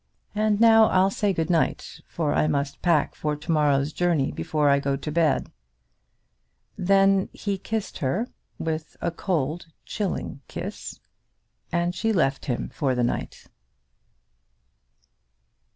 And now I'll say good night, for I must pack for to morrow's journey before I go to bed." Then he kissed her, with a cold, chilling kiss, and she left him for the night.